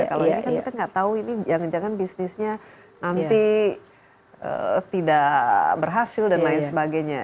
kalau ini kan kita nggak tahu ini jangan jangan bisnisnya nanti tidak berhasil dan lain sebagainya